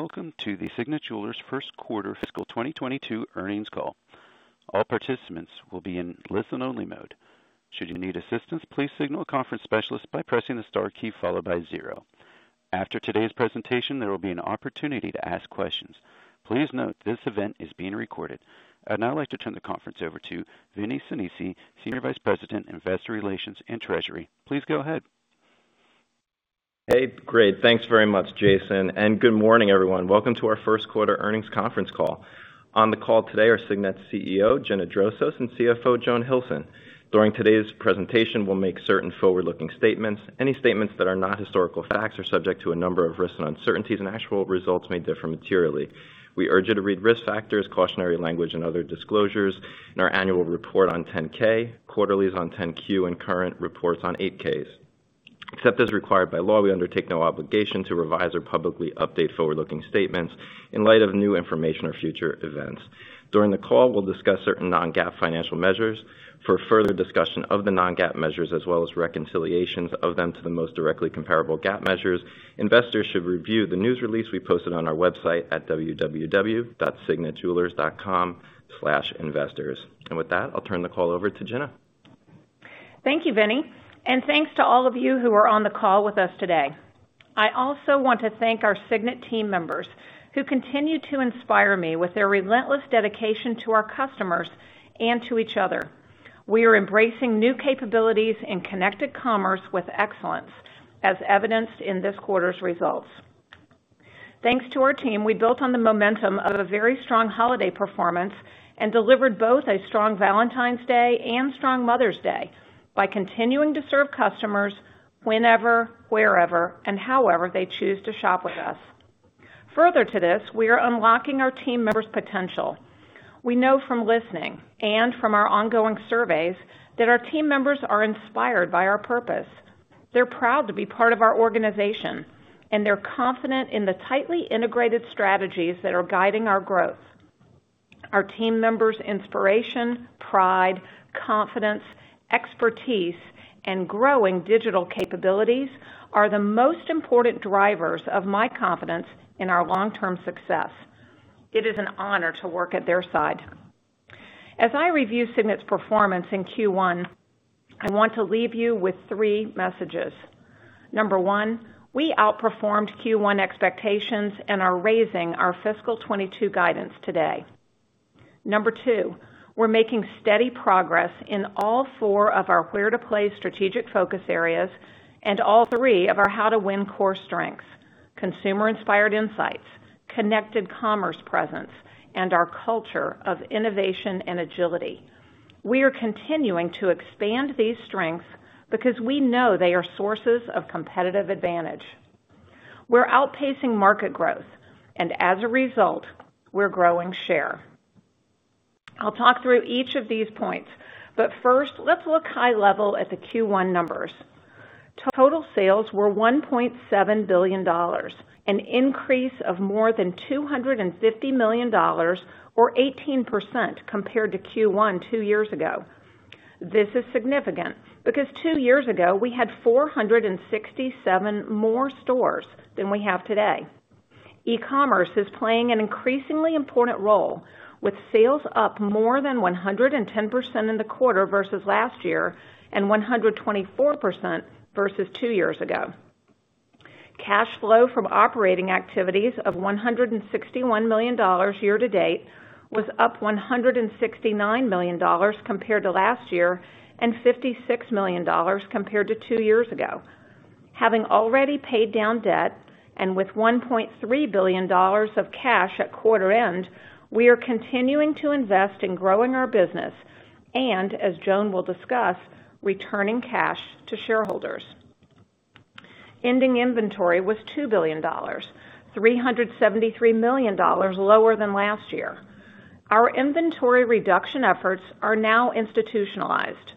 Welcome to the Signet Jewelers First Quarter Fiscal 2022 Earnings Call. All participants will be in listen-only mode. Should you need assistance, please signal a conference specialist by pressing the star key followed by zero. After today's presentation, there will be an opportunity to ask questions. Please note this event is being recorded. I'd now like to turn the conference over to Vinnie Sinisi, Senior Vice President, Investor Relations and Treasury. Please go ahead. Hey, great. Thanks very much, Jason. Good morning, everyone. Welcome to our first quarter earnings conference call. On the call today are Signet's CEO, Gina Drosos, and CFO, Joan Hilson. During today's presentation, we'll make certain forward-looking statements. Any statements that are not historical facts are subject to a number of risks and uncertainties. Actual results may differ materially. We urge you to read risk factors, cautionary language, and other disclosures in our annual report on 10-K, quarterlies on 10-Q, and current reports on 8-Ks. Except as required by law, we undertake no obligation to revise or publicly update forward-looking statements in light of new information or future events. During the call, we'll discuss certain non-GAAP financial measures. For further discussion of the non-GAAP measures as well as reconciliations of them to the most directly comparable GAAP measures, investors should review the news release we posted on our website at www.signetjewelers.com/investors. With that, I'll turn the call over to Gina. Thank you, Vinnie, and thanks to all of you who are on the call with us today. I also want to thank our Signet team members, who continue to inspire me with their relentless dedication to our customers and to each other. We are embracing new capabilities in connected commerce with excellence, as evidenced in this quarter's results. Thanks to our team, we built on the momentum of a very strong holiday performance and delivered both a strong Valentine's Day and strong Mother's Day by continuing to serve customers whenever, wherever, and however they choose to shop with us. Further to this, we are unlocking our team members' potential. We know from listening and from our ongoing surveys that our team members are inspired by our purpose. They're proud to be part of our organization, and they're confident in the tightly integrated strategies that are guiding our growth. Our team members' inspiration, pride, confidence, expertise, and growing digital capabilities are the most important drivers of my confidence in our long-term success. It is an honor to work at their side. As I review Signet's performance in Q1, I want to leave you with three messages. Number 1, we outperformed Q1 expectations and are raising our fiscal 2022 guidance today. Number 2, we're making steady progress in all four of our where-to-play strategic focus areas and all three of our how-to-win core strengths, consumer-inspired insights, connected commerce presence, and our culture of innovation and agility. We are continuing to expand these strengths because we know they are sources of competitive advantage. We're outpacing market growth, and as a result, we're growing share. I'll talk through each of these points, but first, let's look high level at the Q1 numbers. Total sales were $1.7 billion, an increase of more than $250 million or 18% compared to Q1 two years ago. This is significant because two years ago, we had 467 more stores than we have today. E-commerce is playing an increasingly important role, with sales up more than 110% in the quarter versus last year and 124% versus two years ago. Cash flow from operating activities of $161 million year to date was up $169 million compared to last year and $56 million compared to two years ago. Having already paid down debt and with $1.3 billion of cash at quarter end, we are continuing to invest in growing our business and, as Joan will discuss, returning cash to shareholders. Ending inventory was $2 billion, $373 million lower than last year. Our inventory reduction efforts are now institutionalized.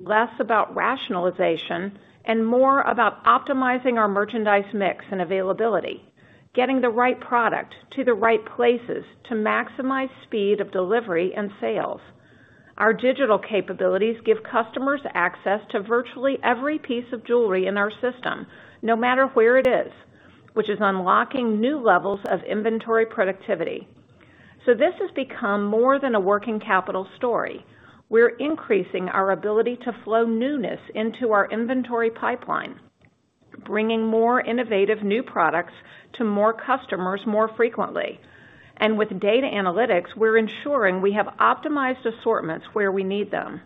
Less about rationalization and more about optimizing our merchandise mix and availability, getting the right product to the right places to maximize speed of delivery and sales. Our digital capabilities give customers access to virtually every piece of jewelry in our system, no matter where it is, which is unlocking new levels of inventory productivity. This has become more than a working capital story. We're increasing our ability to flow newness into our inventory pipeline, bringing more innovative new products to more customers more frequently. With data analytics, we're ensuring we have optimized assortments where we need them.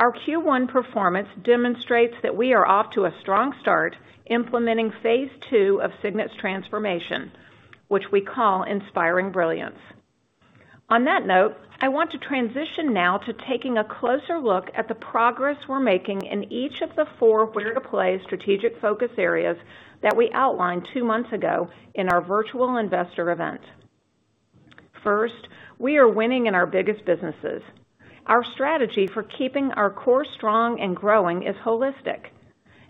Our Q1 performance demonstrates that we are off to a strong start implementing phase II of Signet's Transformation, which we call Inspiring Brilliance. On that note, I want to transition now to taking a closer look at the progress we're making in each of the four where-to-play strategic focus areas that we outlined two months ago in our virtual investor event. First, we are winning in our biggest businesses. Our strategy for keeping our core strong and growing is holistic.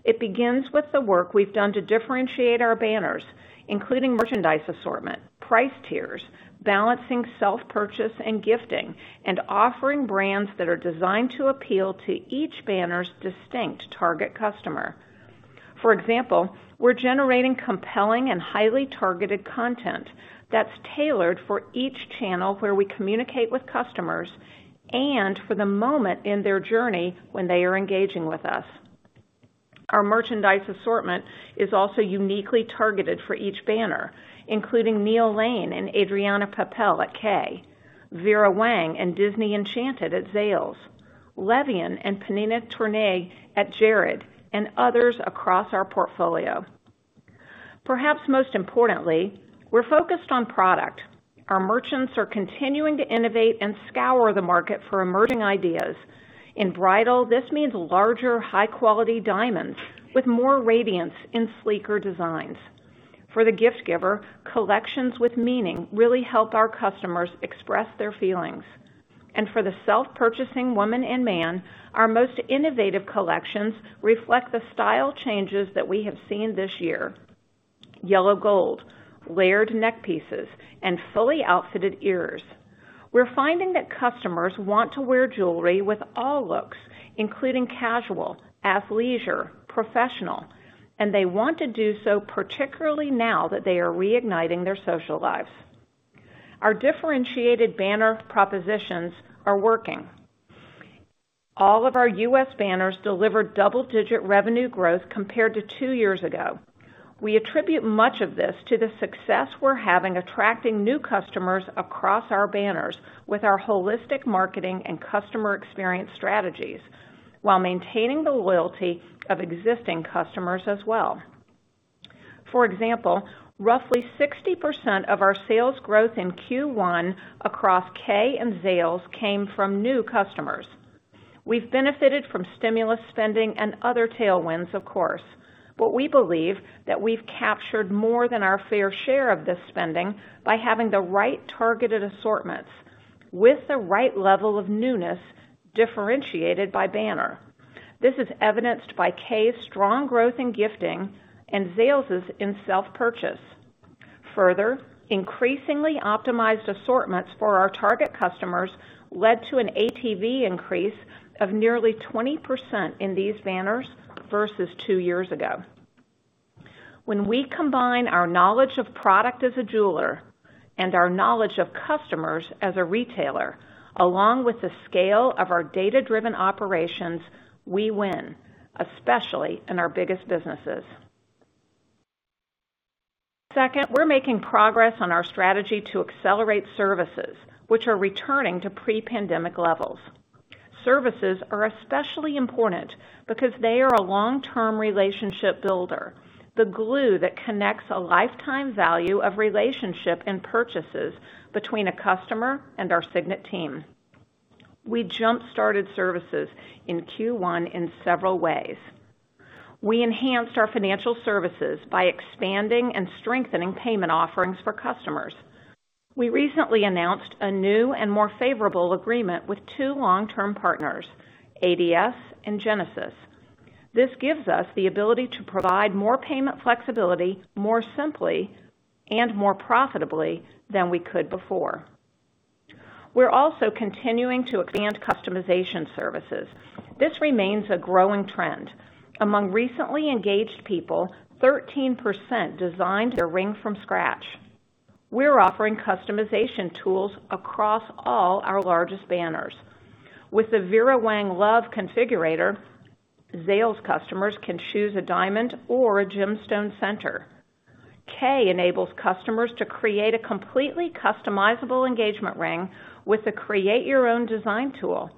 It begins with the work we've done to differentiate our banners, including merchandise assortment, price tiers, balancing self-purchase and gifting, and offering brands that are designed to appeal to each banner's distinct target customer. For example, we're generating compelling and highly targeted content that's tailored for each channel where we communicate with customers and for the moment in their journey when they are engaging with us. Our merchandise assortment is also uniquely targeted for each banner, including Neil Lane and Adrianna Papell at Kay, Vera Wang and Disney Enchanted at Zales, Le Vian and Pnina Tornai at Jared, and others across our portfolio. Perhaps most importantly, we're focused on product. Our merchants are continuing to innovate and scour the market for emerging ideas. In bridal, this means larger, high-quality diamonds with more radiance and sleeker designs. For the gift-giver, collections with meaning really help our customers express their feelings. For the self-purchasing woman and man, our most innovative collections reflect the style changes that we have seen this year. Yellow gold, layered neckpieces, and fully outfitted ears. We're finding that customers want to wear jewelry with all looks, including casual, athleisure, professional, and they want to do so particularly now that they are reigniting their social lives. Our differentiated banner propositions are working. All of our U.S. banners delivered double-digit revenue growth compared to two years ago. We attribute much of this to the success we're having attracting new customers across our banners with our holistic marketing and customer experience strategies while maintaining the loyalty of existing customers as well. For example, roughly 60% of our sales growth in Q1 across Kay and Zales came from new customers. We've benefited from stimulus spending and other tailwinds, of course, but we believe that we've captured more than our fair share of this spending by having the right targeted assortments with the right level of newness differentiated by banner. This is evidenced by Kay's strong growth in gifting and Zales' in self-purchase. Further, increasingly optimized assortments for our target customers led to an ATV increase of nearly 20% in these banners versus two years ago. When we combine our knowledge of product as a jeweler and our knowledge of customers as a retailer, along with the scale of our data-driven operations, we win, especially in our biggest businesses. Second, we're making progress on our strategy to accelerate services, which are returning to pre-pandemic levels. Services are especially important because they are a long-term relationship builder, the glue that connects a lifetime value of relationship and purchases between a customer and our Signet team. We jump-started services in Q1 in several ways. We enhanced our financial services by expanding and strengthening payment offerings for customers. We recently announced a new and more favorable agreement with two long-term partners, ADS and Genesis. This gives us the ability to provide more payment flexibility more simply and more profitably than we could before. We're also continuing to advance customization services. This remains a growing trend. Among recently engaged people, 13% designed their ring from scratch. We're offering customization tools across all our largest banners. With the Vera Wang LOVE Configurator, Zales customers can choose a diamond or a gemstone center. Kay enables customers to create a completely customizable engagement ring with the Create Your Own Design tool,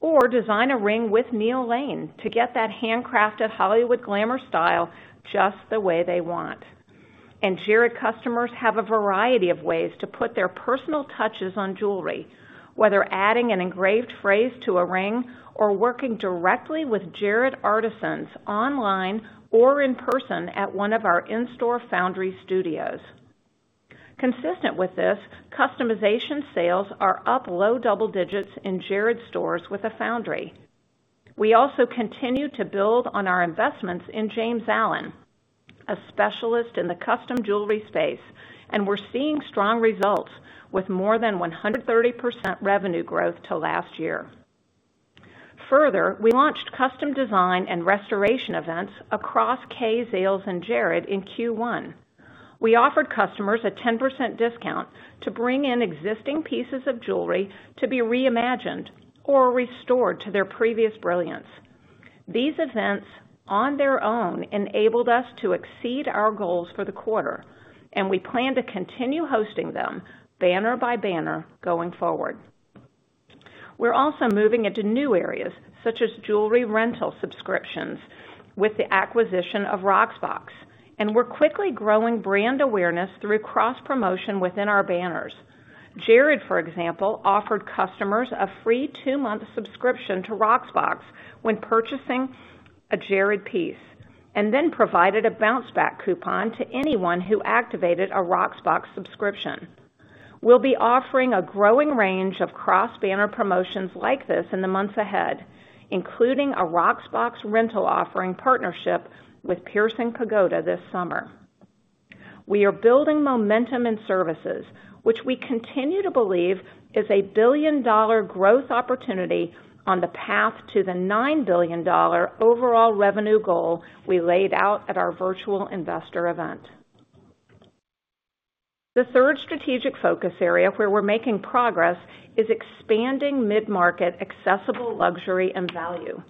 or design a ring with Neil Lane to get that handcrafted Hollywood glamour style just the way they want. Jared customers have a variety of ways to put their personal touches on jewelry, whether adding an engraved phrase to a ring or working directly with Jared artisans online or in person at one of our in-store foundry studios. Consistent with this, customization sales are up low double digits in Jared stores with a foundry. We also continue to build on our investments in James Allen, a specialist in the custom jewelry space, and we're seeing strong results with more than 130% revenue growth to last year. Further, we launched custom design and restoration events across Kay, Zales, and Jared in Q1. We offered customers a 10% discount to bring in existing pieces of jewelry to be reimagined or restored to their previous brilliance. These events, on their own, enabled us to exceed our goals for the quarter, and we plan to continue hosting them banner by banner going forward. We're also moving into new areas, such as jewelry rental subscriptions with the acquisition of Rocksbox, and we're quickly growing brand awareness through cross-promotion within our banners. Jared, for example, offered customers a free two-month subscription to Rocksbox when purchasing a Jared piece, and then provided a bounce-back coupon to anyone who activated a Rocksbox subscription. We'll be offering a growing range of cross-banner promotions like this in the months ahead, including a Rocksbox rental offering partnership with Piercing Pagoda this summer. We are building momentum in services, which we continue to believe is a billion-dollar growth opportunity on the path to the $9 billion overall revenue goal we laid out at our virtual investor event. The third strategic focus area where we're making progress is expanding mid-market accessible luxury and value.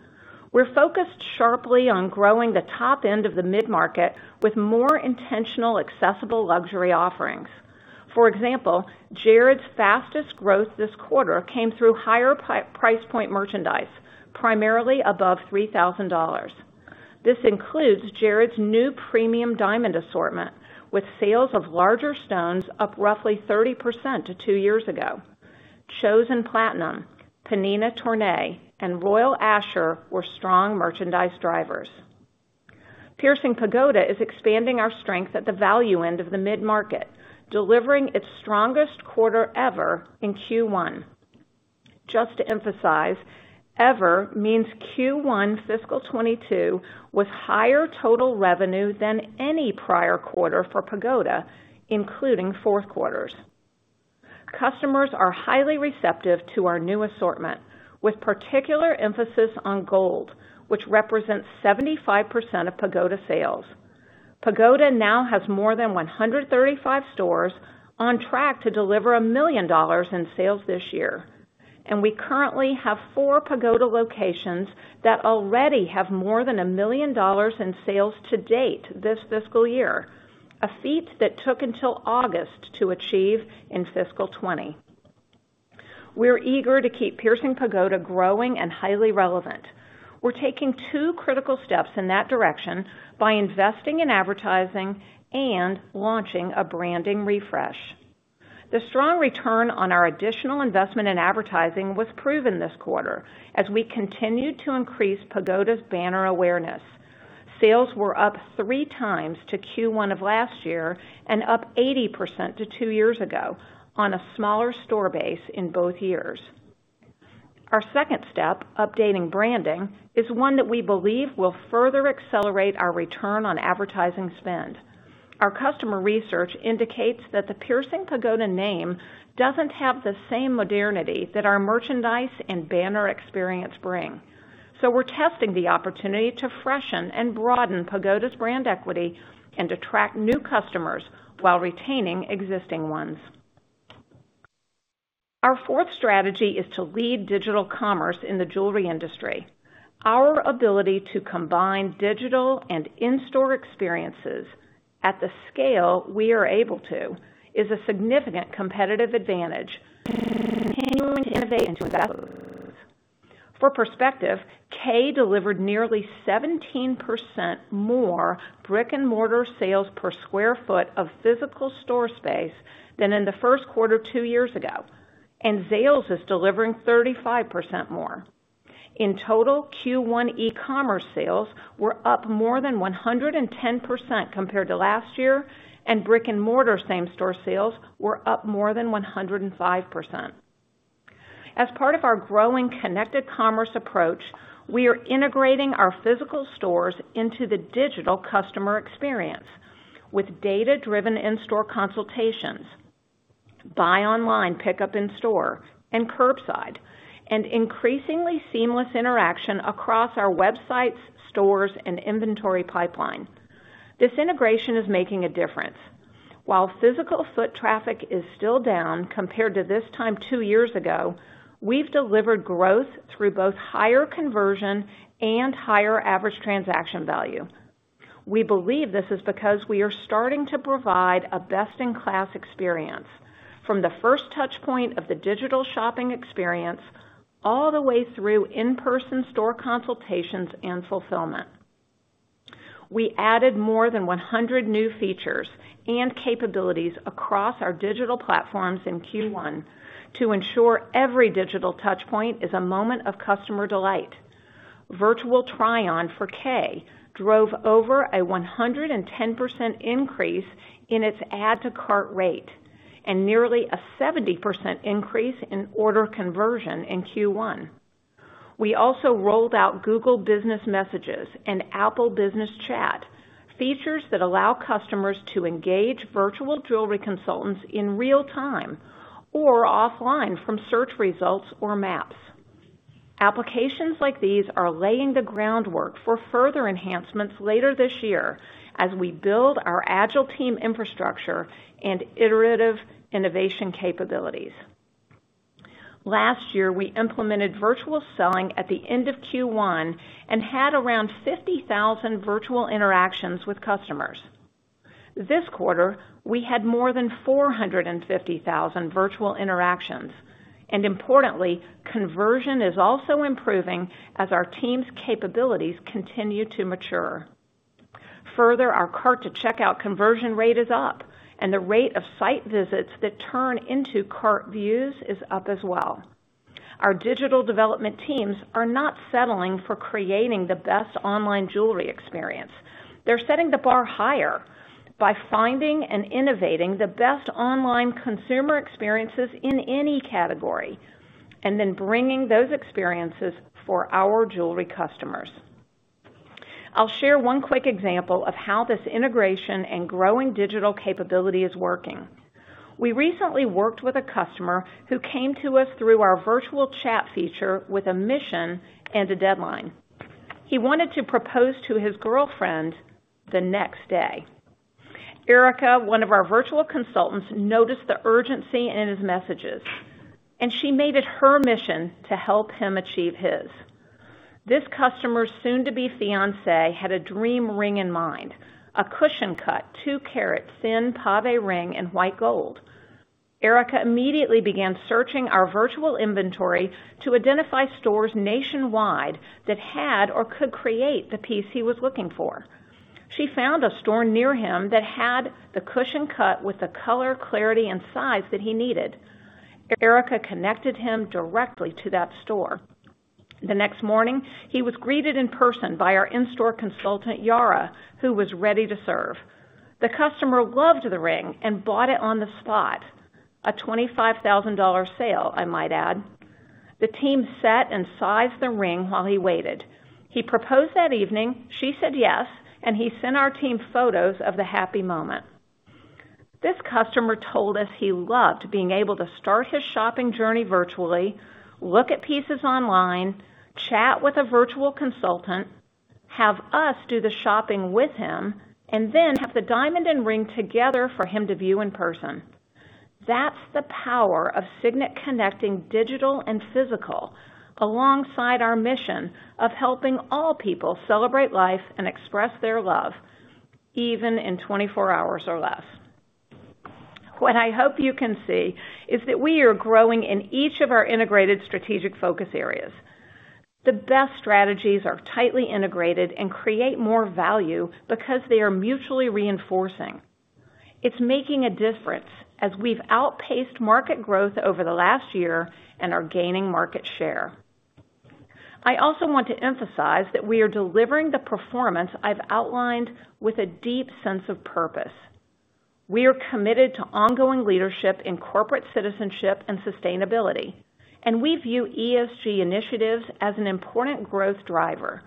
We're focused sharply on growing the top end of the mid-market with more intentional accessible luxury offerings. For example, Jared's fastest growth this quarter came through higher price point merchandise, primarily above $3,000. This includes Jared's new premium diamond assortment, with sales of larger stones up roughly 30% to two years ago. Chosen Platinum, Pnina Tornai, and Royal Asscher were strong merchandise drivers. Piercing Pagoda is expanding our strength at the value end of the mid-market, delivering its strongest quarter ever in Q1. Just to emphasize, ever means Q1 fiscal 2022 with higher total revenue than any prior quarter for Pagoda, including fourth quarters. Customers are highly receptive to our new assortment, with particular emphasis on gold, which represents 75% of Pagoda sales. Pagoda now has more than 135 stores on track to deliver $1 million in sales this year. We currently have four Pagoda locations that already have more than $1 million in sales to date this fiscal year, a feat that took until August to achieve in fiscal 2020. We're eager to keep Piercing Pagoda growing and highly relevant. We're taking two critical steps in that direction by investing in advertising and launching a branding refresh. The strong return on our additional investment in advertising was proven this quarter as we continued to increase Pagoda's banner awareness. Sales were up three times to Q1 of last year and up 80% to two years ago on a smaller store base in both years. Our second step, updating branding, is one that we believe will further accelerate our return on advertising spend. Our customer research indicates that the Piercing Pagoda name doesn't have the same modernity that our merchandise and banner experience bring. We're testing the opportunity to freshen and broaden Pagoda's brand equity and attract new customers while retaining existing ones. Our fourth strategy is to lead digital commerce in the jewelry industry. Our ability to combine digital and in-store experiences at the scale we are able to is a significant competitive advantage. We continually innovate and invest. For perspective, Kay delivered nearly 17% more brick-and-mortar sales per square foot of physical store space than in the first quarter two years ago, and Zales is delivering 35% more. In total, Q1 e-commerce sales were up more than 110% compared to last year, and brick-and-mortar same-store sales were up more than 105%. As part of our growing connected commerce approach, we are integrating our physical stores into the digital customer experience with data-driven in-store consultations, buy online, pickup in store, and curbside, and increasingly seamless interaction across our websites, stores, and inventory pipelines. This integration is making a difference. While physical foot traffic is still down compared to this time two years ago, we've delivered growth through both higher conversion and higher average transaction value. We believe this is because we are starting to provide a best-in-class experience from the first touchpoint of the digital shopping experience all the way through in-person store consultations and fulfillment. We added more than 100 new features and capabilities across our digital platforms in Q1 to ensure every digital touchpoint is a moment of customer delight. Virtual try-on for Kay drove over a 110% increase in its add-to-cart rate and nearly a 70% increase in order conversion in Q1. We also rolled out Google Business Messages and Apple Business Chat, features that allow customers to engage virtual jewelry consultants in real time or offline from search results or maps. Applications like these are laying the groundwork for further enhancements later this year as we build our agile team infrastructure and iterative innovation capabilities. Last year, we implemented virtual selling at the end of Q1 and had around 50,000 virtual interactions with customers. This quarter, we had more than 450,000 virtual interactions, and importantly, conversion is also improving as our team's capabilities continue to mature. Further, our cart to checkout conversion rate is up, and the rate of site visits that turn into cart views is up as well. Our digital development teams are not settling for creating the best online jewelry experience. They're setting the bar higher by finding and innovating the best online consumer experiences in any category and then bringing those experiences for our jewelry customers. I'll share one quick example of how this integration and growing digital capability is working. We recently worked with a customer who came to us through our virtual chat feature with a mission and a deadline. He wanted to propose to his girlfriend the next day. Erica, one of our virtual consultants, noticed the urgency in his messages, and she made it her mission to help him achieve his. This customer's soon-to-be fiancée had a dream ring in mind, a cushion cut, 2 carat, thin pave ring in white gold. Erica immediately began searching our virtual inventory to identify stores nationwide that had or could create the piece he was looking for. She found a store near him that had the cushion cut with the color, clarity, and size that he needed. Erica connected him directly to that store. The next morning, he was greeted in person by our in-store consultant, Yara, who was ready to serve. The customer loved the ring and bought it on the spot. A $25,000 sale, I might add. The team set and sized the ring while he waited. He proposed that evening, she said yes, and he sent our team photos of the happy moment. This customer told us he loved being able to start his shopping journey virtually, look at pieces online, chat with a virtual consultant, have us do the shopping with him, and then have the diamond and ring together for him to view in person. That's the power of Signet connecting digital and physical, alongside our mission of helping all people celebrate life and express their love, even in 24 hours or less. What I hope you can see is that we are growing in each of our integrated strategic focus areas. The best strategies are tightly integrated and create more value because they are mutually reinforcing. It's making a difference as we've outpaced market growth over the last year and are gaining market share. I also want to emphasize that we are delivering the performance I've outlined with a deep sense of purpose. We are committed to ongoing leadership in corporate citizenship and sustainability, and we view ESG initiatives as an important growth driver.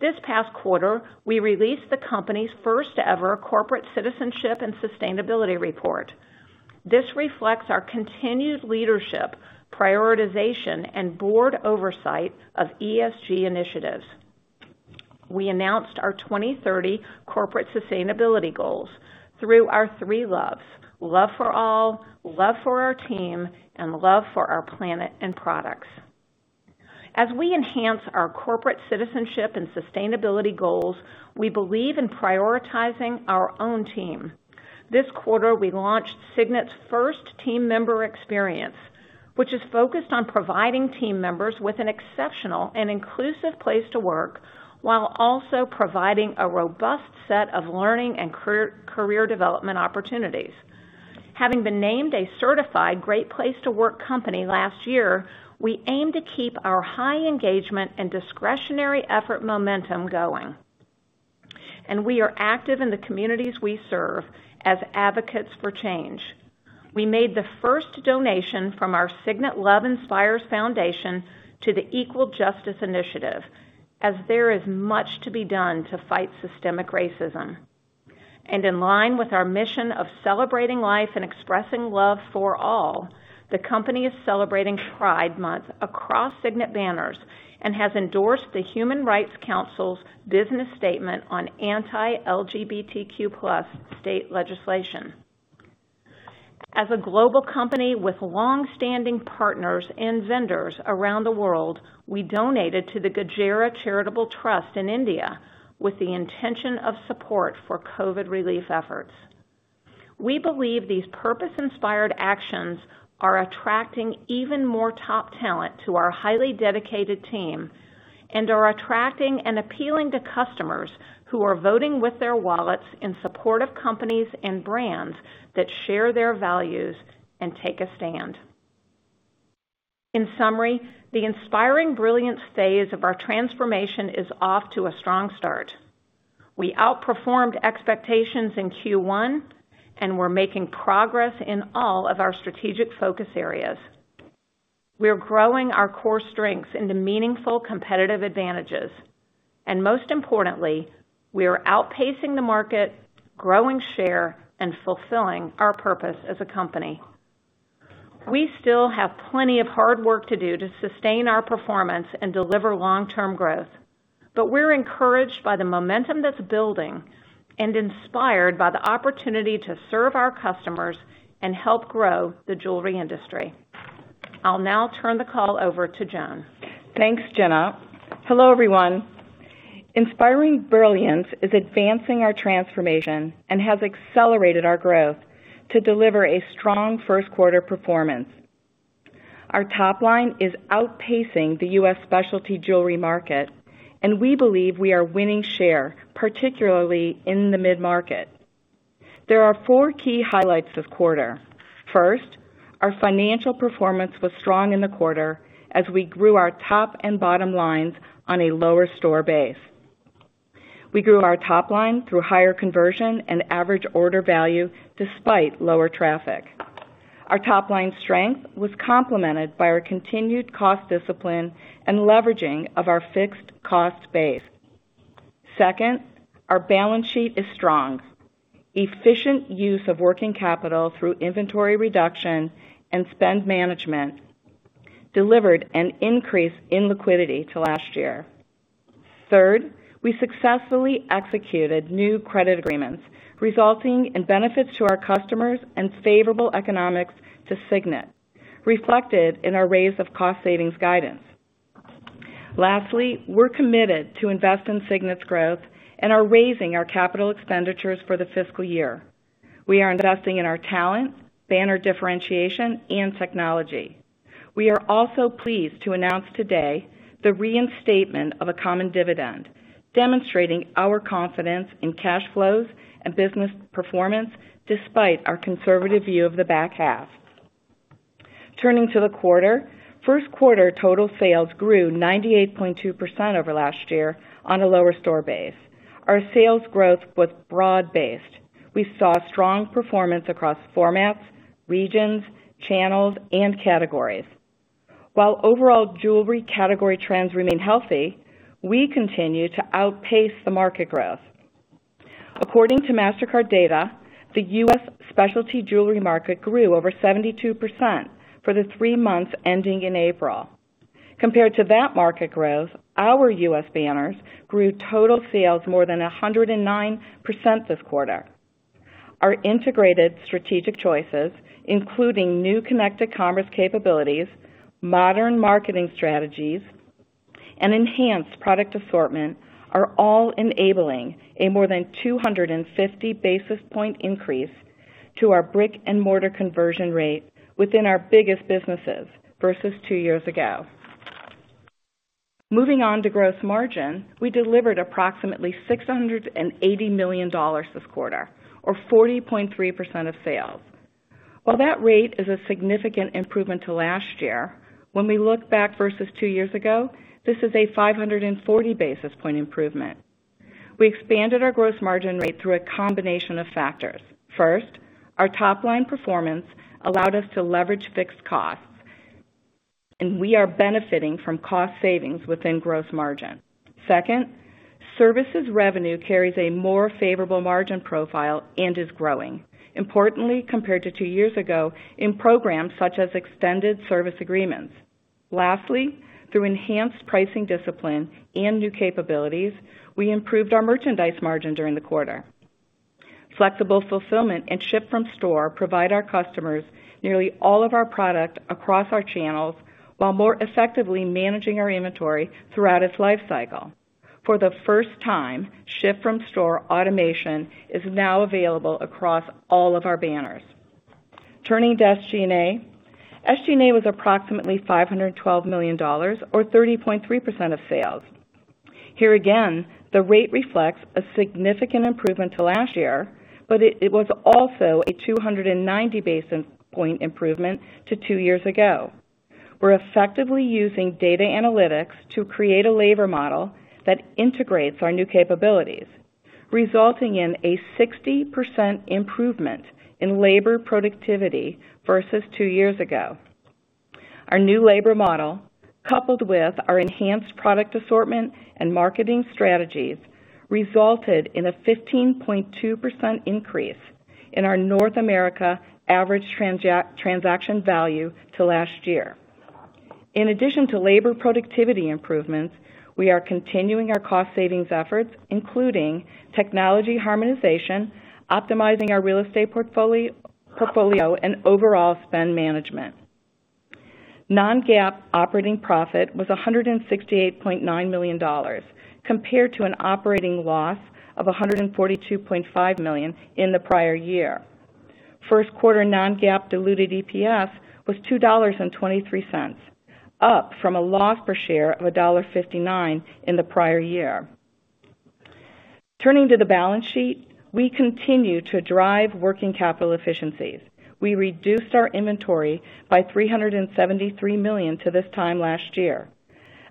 This past quarter, we released the company's first-ever Corporate Citizenship and Sustainability Report. This reflects our continued leadership, prioritization, and board oversight of ESG initiatives. We announced our 2030 Corporate Sustainability Goals through our three Loves: Love for All, Love for Our Team, and Love for Our Planet and Products. As we enhance our Corporate Citizenship and Sustainability Goals, we believe in prioritizing our own team. This quarter, we launched Signet's first Team Member Experience, which is focused on providing team members with an exceptional and inclusive place to work, while also providing a robust set of learning and career development opportunities. Having been named a certified Great Place to Work company last year, we aim to keep our high engagement and discretionary effort momentum going. We are active in the communities we serve as advocates for change. We made the first donation from our Signet Love Inspires Foundation to the Equal Justice Initiative, as there is much to be done to fight systemic racism. In line with our mission of celebrating life and expressing love for all, the company is celebrating Pride Month across Signet banners and has endorsed the Human Rights Campaign's business statement on anti-LGBTQ+ state legislation. As a global company with long-standing partners and vendors around the world, we donated to the Gajera Charitable Trust in India with the intention of support for COVID relief efforts. We believe these purpose-inspired actions are attracting even more top talent to our highly dedicated team and are attracting and appealing to customers who are voting with their wallets in support of companies and brands that share their values and take a stand. In summary, the Inspiring Brilliance stage of our transformation is off to a strong start. We outperformed expectations in Q1, we're making progress in all of our strategic focus areas. We're growing our core strengths into meaningful competitive advantages. Most importantly, we are outpacing the market, growing share, and fulfilling our purpose as a company. We still have plenty of hard work to do to sustain our performance and deliver long-term growth, but we're encouraged by the momentum that's building and inspired by the opportunity to serve our customers and help grow the jewelry industry. I'll now turn the call over to Joan. Thanks, Gina. Hello, everyone. Inspiring Brilliance is advancing our transformation and has accelerated our growth to deliver a strong first quarter performance. Our top line is outpacing the U.S. specialty jewelry market, and we believe we are winning share, particularly in the mid-market. There are four key highlights this quarter. First, our financial performance was strong in the quarter as we grew our top and bottom lines on a lower store base. We grew our top line through higher conversion and average order value despite lower traffic. Our top-line strength was complemented by our continued cost discipline and leveraging of our fixed cost base. Second, our balance sheet is strong. Efficient use of working capital through inventory reduction and spend management delivered an increase in liquidity to last year. Third, we successfully executed new credit agreements, resulting in benefits to our customers and favorable economics to Signet, reflected in our raise of cost savings guidance. Lastly, we're committed to invest in Signet's growth and are raising our capital expenditures for the fiscal year. We are investing in our talent, banner differentiation, and technology. We are also pleased to announce today the reinstatement of a common dividend, demonstrating our confidence in cash flows and business performance despite our conservative view of the back half. Turning to the quarter. First quarter total sales grew 98.2% over last year on a lower store base. Our sales growth was broad-based. We saw strong performance across formats, regions, channels, and categories. While overall jewelry category trends remain healthy, we continue to outpace the market growth. According to Mastercard data, the U.S. specialty jewelry market grew over 72% for the three months ending in April. Compared to that market growth, our U.S. banners grew total sales more than 109% this quarter. Our integrated strategic choices, including new connected commerce capabilities, modern marketing strategies, and enhanced product assortment, are all enabling a more than 250 basis point increase to our brick-and-mortar conversion rate within our biggest businesses versus two years ago. Moving on to gross margin. We delivered approximately $680 million this quarter or 40.3% of sales. While that rate is a significant improvement to last year, when we look back versus two years ago, this is a 540 basis point improvement. We expanded our gross margin rate through a combination of factors. First, our top-line performance allowed us to leverage fixed costs, and we are benefiting from cost savings within gross margin. Second, services revenue carries a more favorable margin profile and is growing, importantly compared to two years ago, in programs such as extended service agreements. Lastly, through enhanced pricing discipline and new capabilities, we improved our merchandise margin during the quarter. Flexible fulfillment and ship from store provide our customers nearly all of our products across our channels while more effectively managing our inventory throughout its life cycle. For the first time, ship from store automation is now available across all of our banners. Turning to SG&A. SG&A was approximately $512 million or 30.3% of sales. Here again, the rate reflects a significant improvement to last year, but it was also a 290 basis point improvement to two years ago. We're effectively using data analytics to create a labor model that integrates our new capabilities, resulting in a 60% improvement in labor productivity versus two years ago. Our new labor model, coupled with our enhanced product assortment and marketing strategies, resulted in a 15.2% increase in our North America average transaction value to last year. In addition to labor productivity improvements, we are continuing our cost savings efforts, including technology harmonization, optimizing our real estate portfolio, and overall spend management. Non-GAAP operating profit was $168.9 million, compared to an operating loss of $142.5 million in the prior year. First quarter non-GAAP diluted EPS was $2.23, up from a loss per share of $1.59 in the prior year. Turning to the balance sheet. We continue to drive working capital efficiencies. We reduced our inventory by $373 million to this time last year.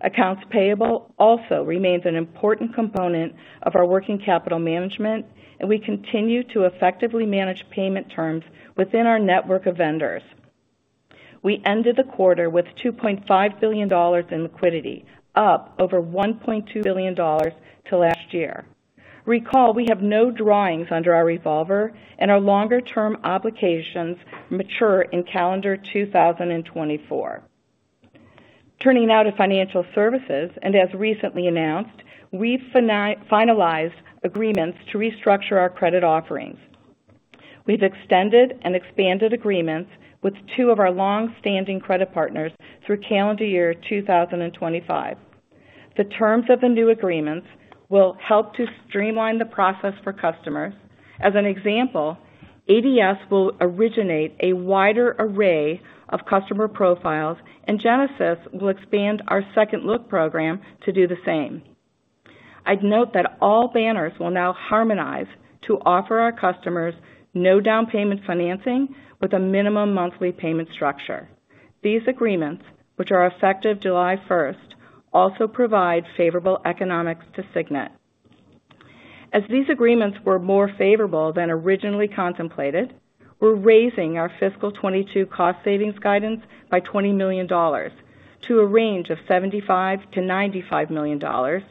Accounts payable also remains an important component of our working capital management, and we continue to effectively manage payment terms within our network of vendors. We ended the quarter with $2.5 billion in liquidity, up over $1.2 billion to last year. Recall we have no drawings under our revolver, and our longer-term obligations mature in calendar 2024. Turning now to financial services, and as recently announced, we finalized agreements to restructure our credit offerings. We've extended and expanded agreements with two of our longstanding credit partners through calendar year 2025. The terms of the new agreements will help to streamline the process for customers. As an example, ADS will originate a wider array of customer profiles, and Genesis will expand our Second Look program to do the same. I'd note that all banners will now harmonize to offer our customers no down payment financing with a minimum monthly payment structure. These agreements, which are effective July 1st, also provide favorable economics to Signet. As these agreements were more favorable than originally contemplated, we're raising our fiscal 2022 cost savings guidance by $20 million to a range of $75 million-$95 million,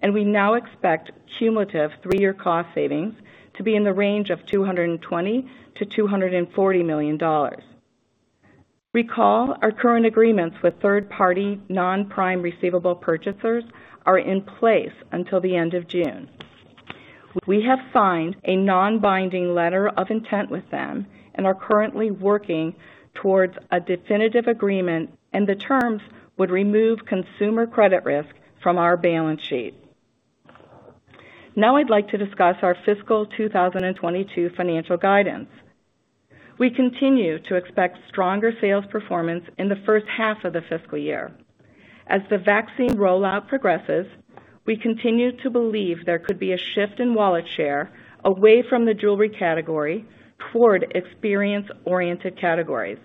and we now expect cumulative three-year cost savings to be in the range of $220 million-$240 million. Recall, our current agreements with third-party non-prime receivable purchasers are in place until the end of June. We have signed a non-binding letter of intent with them and are currently working towards a definitive agreement. The terms would remove consumer credit risk from our balance sheet. Now, I'd like to discuss our fiscal 2022 financial guidance. We continue to expect stronger sales performance in the first half of the fiscal year. As the vaccine rollout progresses, we continue to believe there could be a shift in wallet share away from the jewelry category toward experience-oriented categories.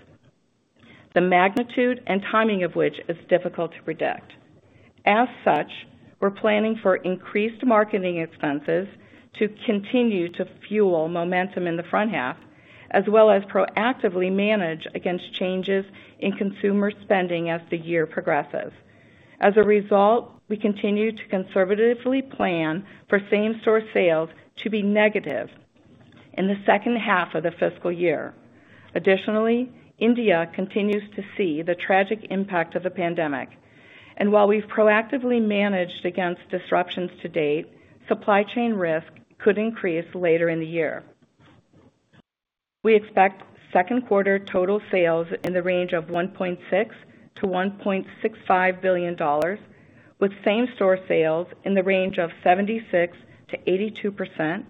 The magnitude and timing of which is difficult to predict. As such, we're planning for increased marketing expenses to continue to fuel momentum in the front half, as well as proactively manage against changes in consumer spending as the year progresses. As a result, we continue to conservatively plan for same-store sales to be negative in the second half of the fiscal year. Additionally, India continues to see the tragic impact of the pandemic, and while we've proactively managed against disruptions to date, supply chain risk could increase later in the year. We expect second quarter total sales in the range of $1.6 billion-$1.65 billion, with same-store sales in the range of 76%-82%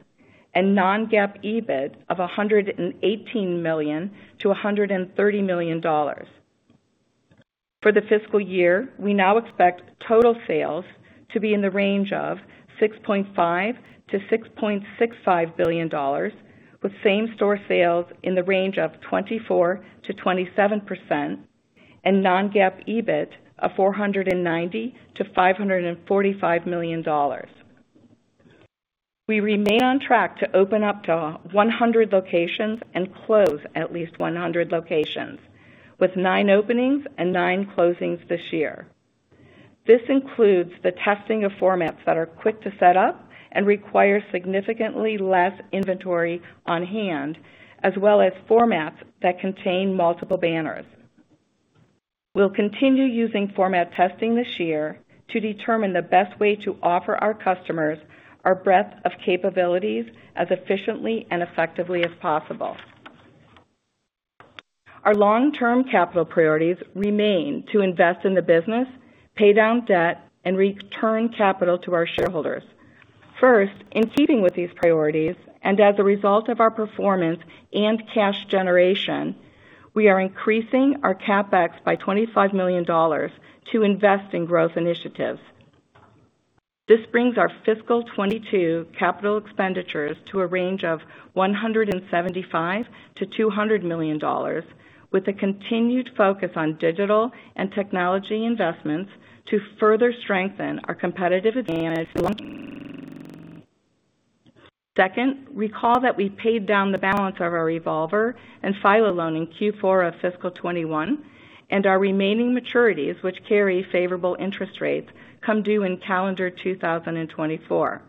and non-GAAP EBIT of $118 million-$130 million. For the fiscal year, we now expect total sales to be in the range of $6.5 billion-$6.65 billion, with same-store sales in the range of 24%-27% and non-GAAP EBIT of $490 million-$545 million. We remain on track to open up to 100 locations and close at least 100 locations, with nine openings and nine closings this year. This includes the testing of formats that are quick to set up and require significantly less inventory on hand, as well as formats that contain multiple banners. We'll continue using format testing this year to determine the best way to offer our customers our breadth of capabilities as efficiently and effectively as possible. Our long-term capital priorities remain to invest in the business, pay down debt, and return capital to our shareholders. First, in keeping with these priorities, as a result of our performance and cash generation, we are increasing our CapEx by $25 million to invest in growth initiatives. This brings our fiscal 2022 capital expenditures to a range of $175 million-$200 million, with a continued focus on digital and technology investments to further strengthen our competitive advantage. Second, recall that we paid down the balance of our revolver and FILO loan in Q4 of fiscal 2021, and our remaining maturities, which carry favorable interest rates, come due in calendar 2024.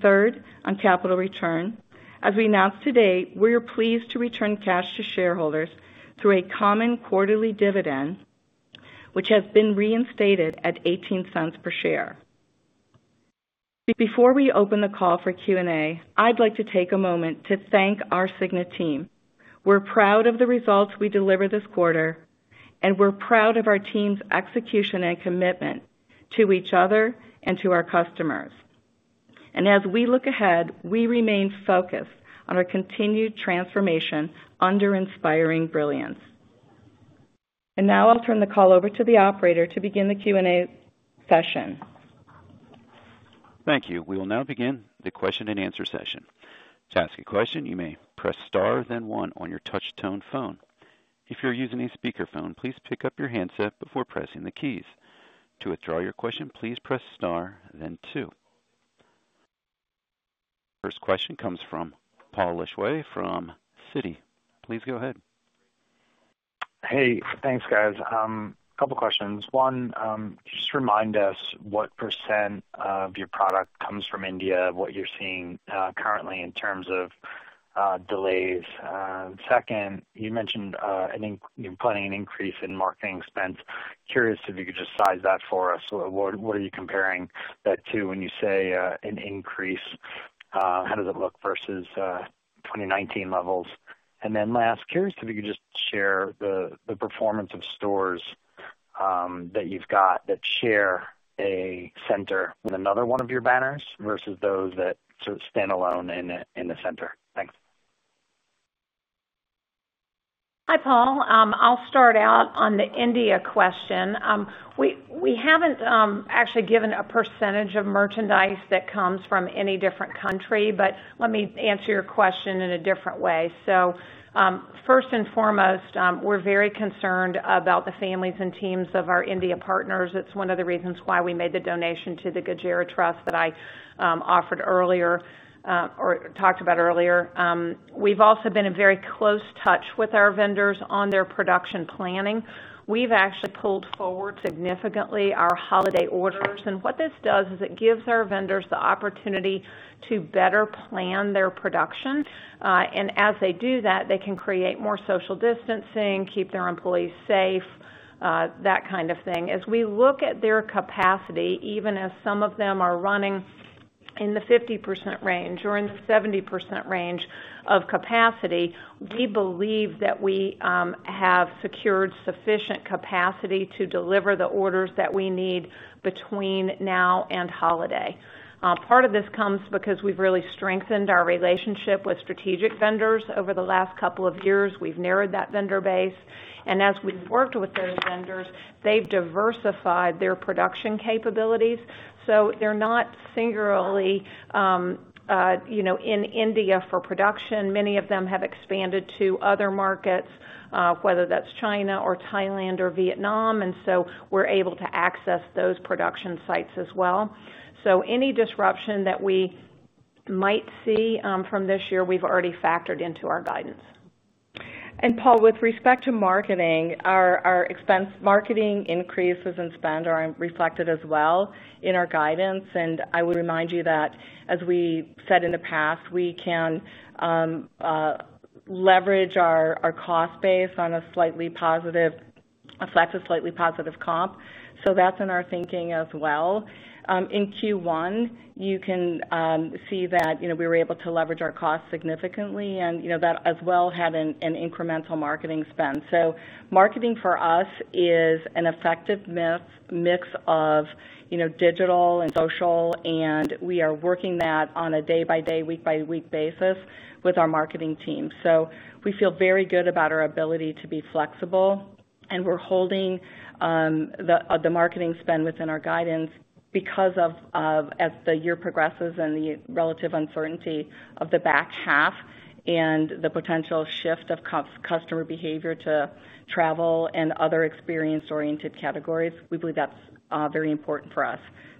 Third, on capital return, as we announced today, we are pleased to return cash to shareholders through a common quarterly dividend, which has been reinstated at $0.18 per share. Before we open the call for Q&A, I'd like to take a moment to thank our Signet team. We're proud of the results we delivered this quarter, and we're proud of our team's execution and commitment to each other and to our customers. As we look ahead, we remain focused on our continued transformation under Inspiring Brilliance. Now I'll turn the call over to the operator to begin the Q&A session. Thank you. We will now begin the question and answer session. To ask a question, you may press star then one on your touch-tone phone. If you a using a speaker phone, please pick up your handset before pressing the keys. To withdraw your question, please press star then two. First question comes from Paul Lejuez from Citi. Please go ahead. Hey, thanks, guys. Couple questions. One, just remind us what percent of your product comes from India, what you're seeing currently in terms of delays. Second, you mentioned you're planning an increase in marketing expense. Curious if you could just size that for us. What are you comparing that to when you say an increase? How does it look versus 2019 levels? Last, curious if you could just share the performance of stores that you've got that share a center with another one of your banners versus those that sort of stand alone in a center. Thanks. Hi, Paul. I'll start out on the India question. We haven't actually given a percentage of merchandise that comes from any different country, but let me answer your question in a different way. First and foremost, we're very concerned about the families and teams of our India partners. It's one of the reasons why we made the donation to the Gajera Trust that I offered earlier or talked about earlier. We've also been in very close touch with our vendors on their production planning. We've actually pulled forward significantly our holiday orders. What this does is it gives our vendors the opportunity to better plan their production. As they do that, they can create more social distancing, keep their employees safe, that kind of thing. As we look at their capacity, even as some of them are running in the 50% range or in the 70% range of capacity, we believe that we have secured sufficient capacity to deliver the orders that we need between now and holiday. Part of this comes because we've really strengthened our relationship with strategic vendors over the last couple of years. We've narrowed that vendor base. As we've worked with those vendors, they've diversified their production capabilities. They're not singularly in India for production. Many of them have expanded to other markets, whether that's China or Thailand or Vietnam, and so we're able to access those production sites as well. Any disruption that we might see from this year, we've already factored into our guidance. Paul, with respect to marketing, our expense marketing increases in spend are reflected as well in our guidance, and I would remind you that, as we said in the past, we can leverage our cost base on a slightly positive comp. That's in our thinking as well. In Q1, you can see that we were able to leverage our cost significantly and that as well had an incremental marketing spend. Marketing for us is an effective mix of digital and social, and we are working that on a day-by-day, week-by-week basis with our marketing team. We feel very good about our ability to be flexible, and we're holding the marketing spend within our guidance because as the year progresses and the relative uncertainty of the back half and the potential shift of customer behavior to travel and other experience-oriented categories, we believe that's very important for us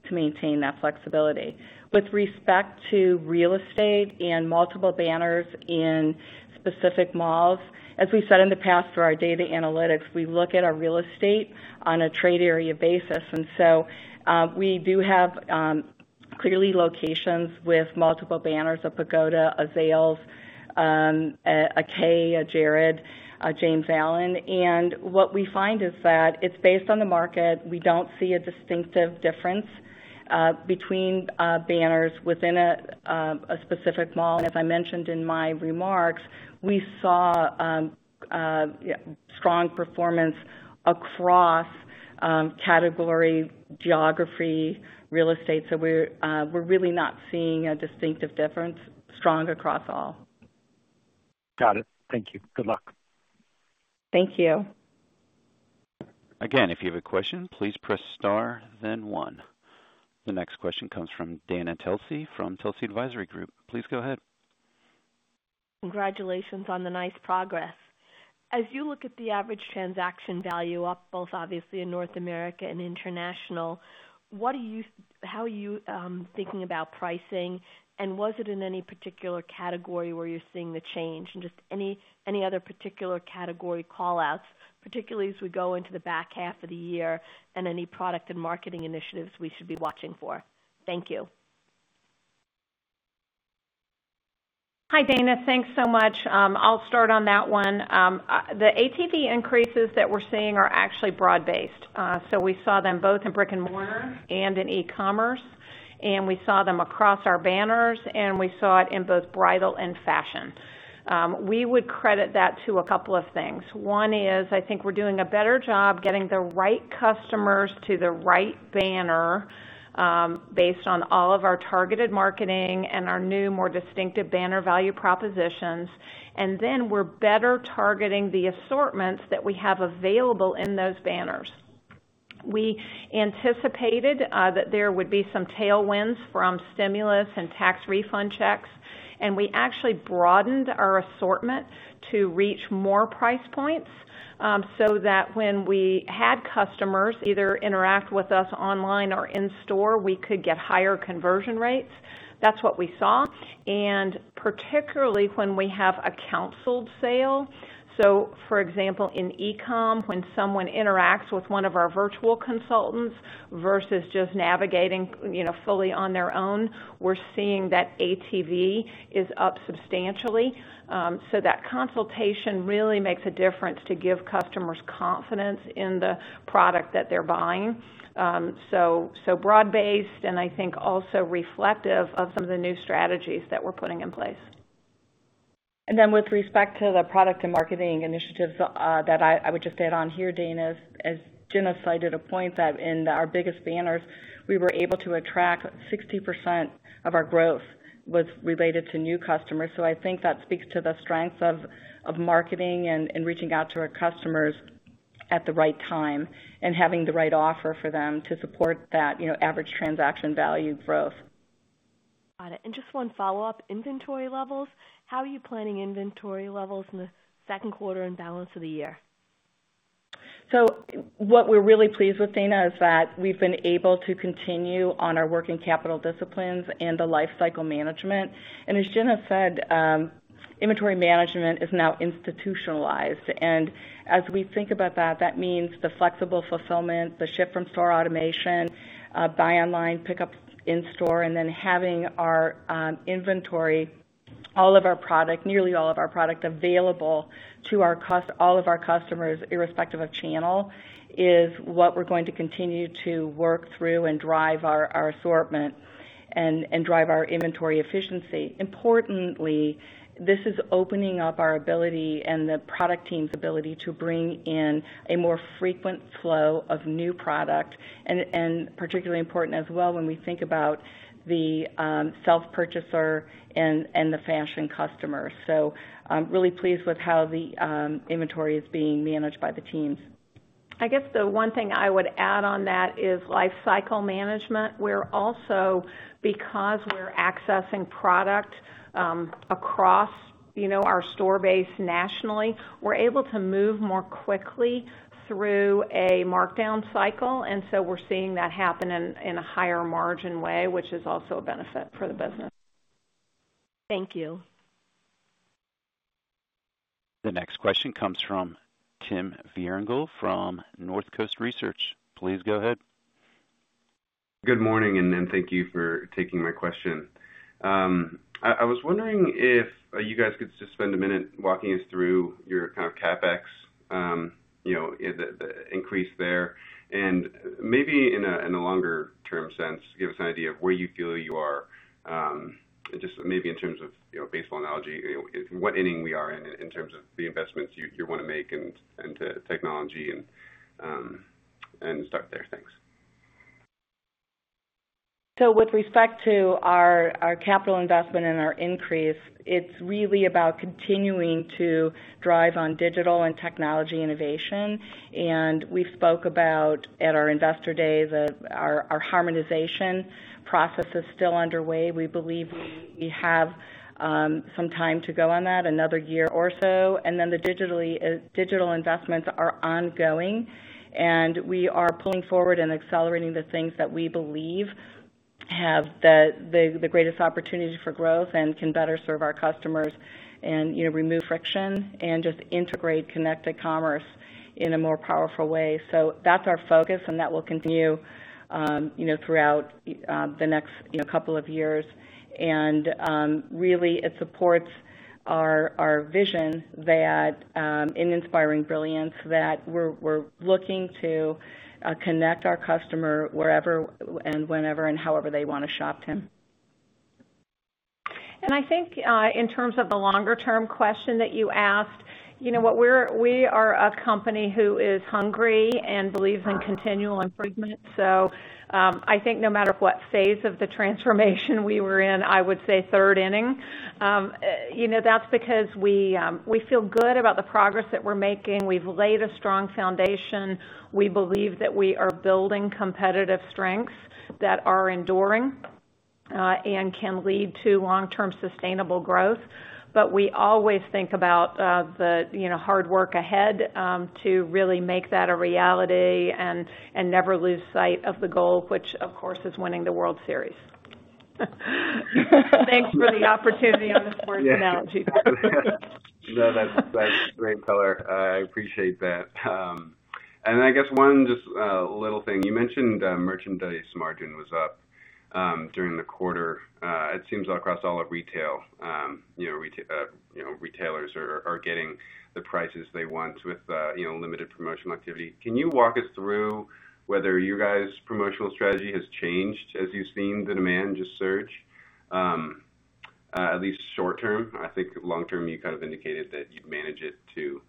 to maintain that flexibility. With respect to real estate and multiple banners in specific malls, as we said in the past for our data analytics, we look at our real estate on a trade area basis. We do have clearly locations with multiple banners, a Pagoda, a Zales, a Kay, a Jared, a James Allen, and what we find is that it's based on the market. We don't see a distinctive difference between banners within a specific mall. As I mentioned in my remarks, we saw strong performance across category, geography, real estate. We're really not seeing a distinctive difference, strong across all. Got it. Thank you. Good luck. Thank you. Again, if you have a question, please press star then one. The next question comes from Dana Telsey from Telsey Advisory Group. Please go ahead. Congratulations on the nice progress. As you look at the average transaction value up both obviously in North America and international, how are you thinking about pricing, and was it in any particular category where you're seeing the change? Just any other particular category call-outs, particularly as we go into the back half of the year, and any product and marketing initiatives we should be watching for. Thank you. Hi, Dana. Thanks so much. I'll start on that one. The ATV increases that we're seeing are actually broad-based. We saw them both in brick and mortar and in e-commerce, and we saw them across our banners, and we saw it in both bridal and fashion. We would credit that to a couple of things. One is I think we're doing a better job getting the right customers to the right banner based on all of our targeted marketing and our new, more distinctive banner value propositions. Then we're better targeting the assortments that we have available in those banners. We anticipated that there would be some tailwinds from stimulus and tax refund checks, and we actually broadened our assortment to reach more price points, so that when we had customers either interact with us online or in store, we could get higher conversion rates. That's what we saw. Particularly when we have a counseled sale, so for example, in e-com, when someone interacts with one of our virtual consultants versus just navigating fully on their own, we're seeing that ATV is up substantially. That consultation really makes a difference to give customers confidence in the product that they're buying. Broad based and I think also reflective of some of the new strategies that we're putting in place. With respect to the product and marketing initiatives that I would just add on here, Dana, as Gina cited a point that in our biggest banners, we were able to attract 60% of our growth was related to new customers. I think that speaks to the strength of marketing and reaching out to our customers at the right time and having the right offer for them to support that average transaction value growth. Just one follow-up. Inventory levels. How are you planning inventory levels in the second quarter and balance of the year? What we're really pleased with, Dana, is that we've been able to continue on our working capital disciplines and the lifecycle management. As Gina said, inventory management is now institutionalized. As we think about that means the flexible fulfillment, the ship-from-store automation, buy online, pick up in store, and then having our inventory, all of our product, nearly all of our product available to all of our customers irrespective of channel, is what we're going to continue to work through and drive our assortment and drive our inventory efficiency. Importantly, this is opening up our ability and the product team's ability to bring in a more frequent flow of new product, and particularly important as well when we think about the self-purchaser and the fashion customer. I'm really pleased with how the inventory is being managed by the teams. I guess the one thing I would add on that is lifecycle management. We're also, because we're accessing product across our store base nationally, we're able to move more quickly through a markdown cycle. We're seeing that happen in a higher margin way, which is also a benefit for the business. Thank you. The next question comes from Tim Vierengel from Northcoast Research. Please go ahead. Good morning. Thank you for taking my question. I was wondering if you guys could just spend a minute walking us through your CapEx, the increase there and maybe in a longer-term sense, give us an idea of where you feel you are, just maybe in terms of baseball analogy, what inning we are in in terms of the investments you want to make into technology and stuff there. Thanks. With respect to our capital investment and our increase, it's really about continuing to drive on digital and technology innovation. We spoke about at our Investor Day that our harmonization process is still underway. We believe we have some time to go on that, another year or so. The digital investments are ongoing, and we are pulling forward and accelerating the things that we believe have the greatest opportunity for growth and can better serve our customers and remove friction and just integrate connected commerce in a more powerful way. That's our focus, and that will continue throughout the next couple of years. Really it supports our vision in Inspiring Brilliance that we're looking to connect our customer wherever and whenever and however they want to shop, Tim. I think in terms of the longer-term question that you asked, we are a company who is hungry and believes in continual improvement. I think no matter what phase of the transformation we were in, I would say third inning. That's because we feel good about the progress that we're making. We've laid a strong foundation. We believe that we are building competitive strengths that are enduring and can lead to long-term sustainable growth. We always think about the hard work ahead to really make that a reality and never lose sight of the goal, which, of course, is winning the World Series. Thanks for the opportunity on the sports analogy there. No, that's great color. I appreciate that. I guess one just little thing, you mentioned merchandise margin was up during the quarter. It seems across all of retail, retailers are getting the prices they want with limited promotional activity. Can you walk us through whether you guys' promotional strategy has changed as you've seen the demand just surge, at least short term? I think long term, you kind of indicated that you'd manage it to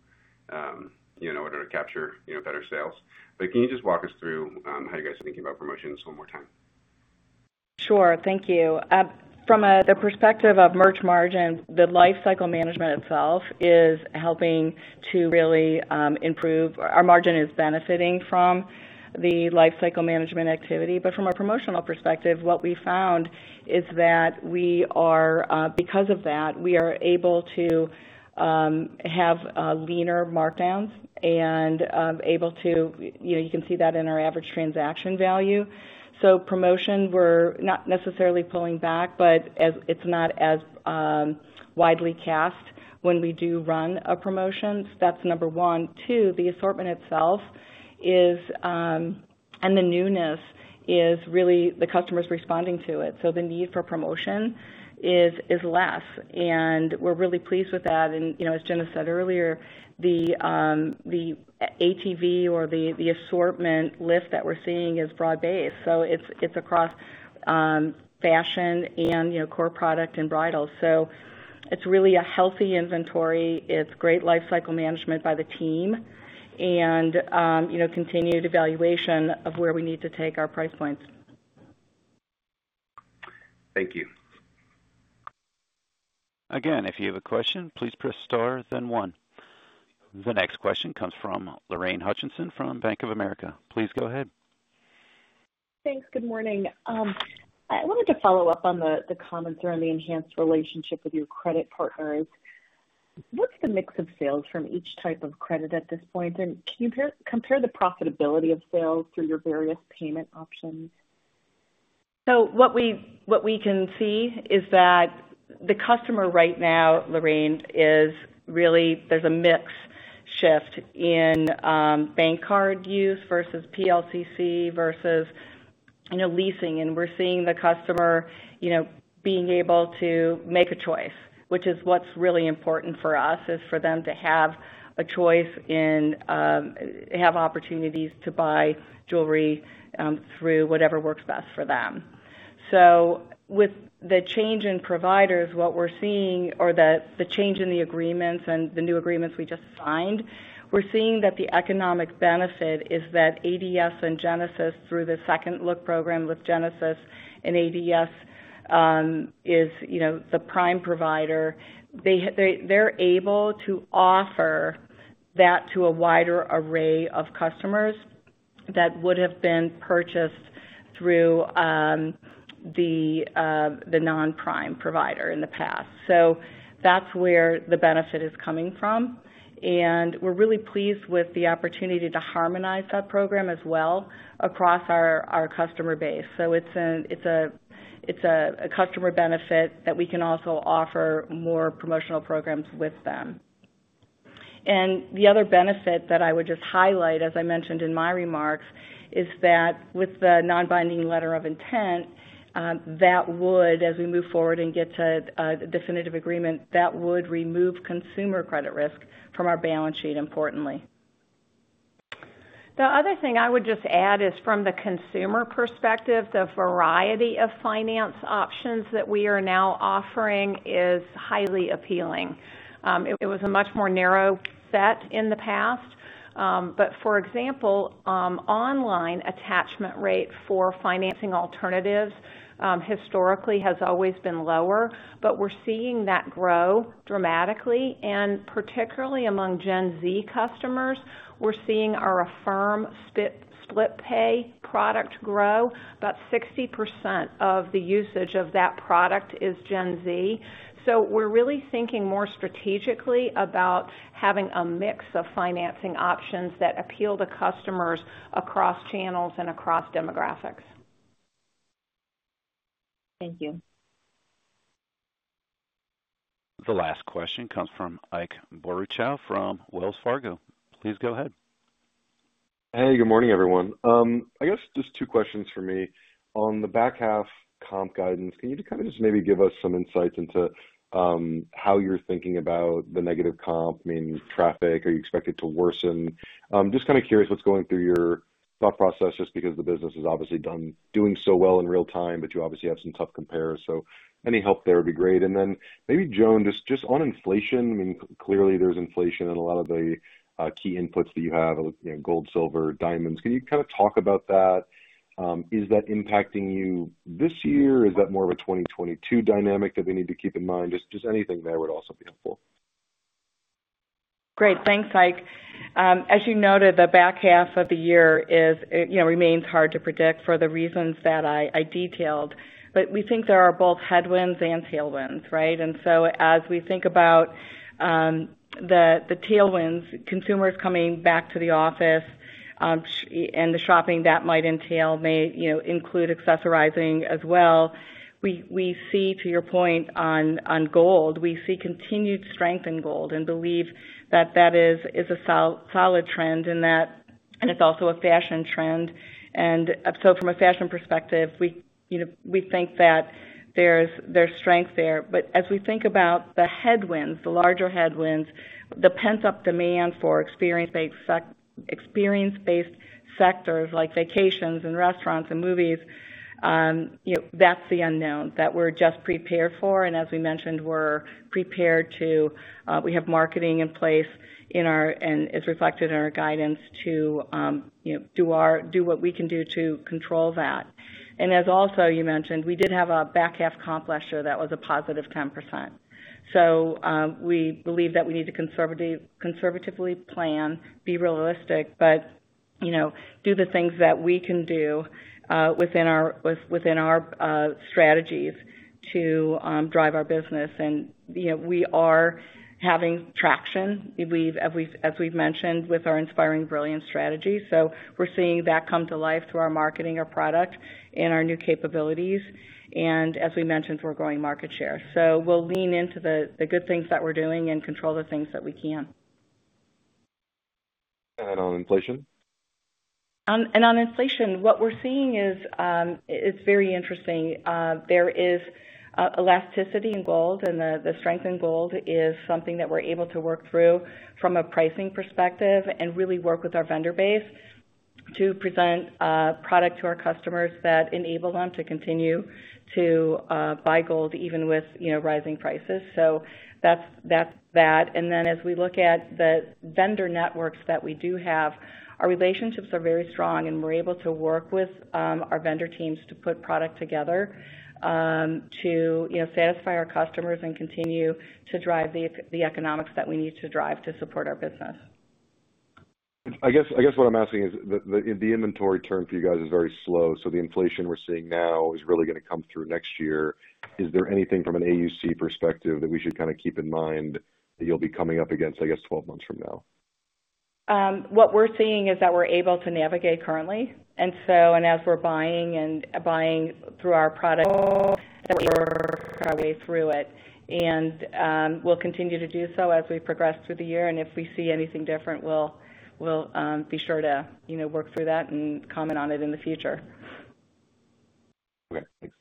in order to capture better sales. Can you just walk us through how you guys are thinking about promotions one more time? Sure. Thank you. From the perspective of merch margin, the lifecycle management itself is helping to really improve. Our margin is benefiting from the lifecycle management activity. From a promotional perspective, what we found is that because of that, we are able to have leaner markdowns. You can see that in our average transaction value. Promotions we're not necessarily pulling back, but it's not as widely cast when we do run a promotion. That's number one. Two, the assortment itself and the newness is really the customer's responding to it. The need for promotion is less, and we're really pleased with that. As Gina said earlier, the ATV or the assortment lift that we're seeing is broad-based. It's across fashion and core product and bridal. It's really a healthy inventory. It's great lifecycle management by the team and continued evaluation of where we need to take our price points. Thank you. Again, if you have a question, please press star then one. The next question comes from Lorraine Hutchinson from Bank of America. Please go ahead. Thanks. Good morning. I wanted to follow up on the comments around the enhanced relationship with your credit partners. What's the mix of sales from each type of credit at this point? Can you compare the profitability of sales through your various payment options? What we can see is that the customer right now, Lorraine, there's a mix shift in bank card use versus PLCC versus leasing. We're seeing the customer being able to make a choice, which is what's really important for us, is for them to have a choice and have opportunities to buy jewelry through whatever works best for them. With the change in providers, or the change in the agreements and the new agreements we just signed, we're seeing that the economic benefit is that ADS and Genesis, through the Second Look program with Genesis and ADS, is the prime provider. They're able to offer that to a wider array of customers that would have been purchased through the non-prime provider in the past. That's where the benefit is coming from, and we're really pleased with the opportunity to harmonize that program as well across our customer base. It's a customer benefit that we can also offer more promotional programs with them. The other benefit that I would just highlight, as I mentioned in my remarks, is that with the non-binding letter of intent, that would, as we move forward and get to a definitive agreement, that would remove consumer credit risk from our balance sheet, importantly. The other thing I would just add is from the consumer perspective, the variety of finance options that we are now offering is highly appealing. It was a much more narrow set in the past. For example, online attachment rates for financing alternatives historically has always been lower, but we're seeing that grow dramatically. Particularly among Gen Z customers, we're seeing our Affirm split pay product grow. About 60% of the usage of that product is Gen Z. We're really thinking more strategically about having a mix of financing options that appeal to customers across channels and across demographics. Thank you. The last question comes from Ike Boruchow from Wells Fargo. Please go ahead. Hey, good morning, everyone. I guess just two questions for me. On the back half comp guidance, can you just maybe give us some insights into how you're thinking about the negative comp, meaning traffic? Are you expect it to worsen? Just curious what's going through your thought process, just because the business is obviously doing so well in real-time, but you obviously have some tough compares. Any help there would be great. Then maybe Joan, just on inflation, clearly there's inflation in a lot of the key inputs that you have, gold, silver, diamonds. Can you talk about that? Is that impacting you this year? Is that more of a 2022 dynamic that we need to keep in mind? Just anything there would also be helpful. Great. Thanks, Ike. As you noted, the back half of the year remains hard to predict for the reasons that I detailed. We think there are both headwinds and tailwinds, right? As we think about the tailwinds, consumers coming back to the office, and the shopping that might entail may include accessorizing as well. To your point on gold, we see continued strength in gold and believe that that is a solid trend, and it's also a fashion trend. From a fashion perspective, we think that there's strength there. As we think about the headwinds, the larger headwinds, the pent-up demand for experience-based sectors like vacations and restaurants and movies, that's the unknown that we're just prepared for. As we mentioned, we have marketing in place, and it's reflected in our guidance to do what we can do to control that. As also you mentioned, we did have a back half comp last year that was a positive 10%. We believe that we need to conservatively plan, be realistic, but do the things that we can do within our strategies to drive our business. We are having traction, as we've mentioned, with our Inspiring Brilliance strategy. We're seeing that come to life through our marketing, our product, and our new capabilities. As we mentioned, we're growing market share. We'll lean into the good things that we're doing and control the things that we can. On inflation? On inflation, what we're seeing is very interesting. There is elasticity in gold, and the strength in gold is something that we're able to work through from a pricing perspective and really work with our vendor base to present a product to our customers that enable them to continue to buy gold even with rising prices. That's that. As we look at the vendor networks that we do have, our relationships are very strong, and we're able to work with our vendor teams to put product together to satisfy our customers and continue to drive the economics that we need to drive to support our business. I guess what I'm asking is, the inventory turn for you guys is very slow. The inflation we're seeing now is really going to come through next year. Is there anything from an AUC perspective that we should keep in mind that you'll be coming up against, I guess, 12 months from now? What we're seeing is that we're able to navigate currently. As we're buying through our product our way through it. We'll continue to do so as we progress through the year, and if we see anything different, we'll be sure to work through that and comment on it in the future. Okay. Thanks.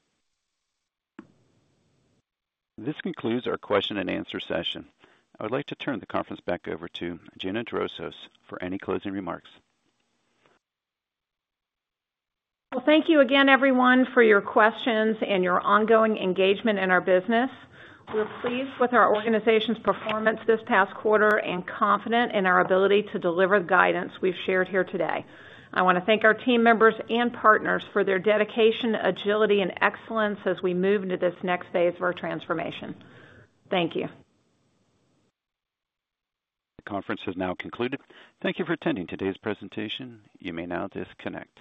This concludes our question and answer session. I would like to turn the conference back over to Gina Drosos for any closing remarks. Well, thank you again, everyone, for your questions and your ongoing engagement in our business. We're pleased with our organization's performance this past quarter and confident in our ability to deliver guidance we've shared here today. I want to thank our team members and partners for their dedication, agility, and excellence as we move into this next phase of our transformation. Thank you. Conference is now concluded. Thank you for attending today's presentation. You may now disconnect.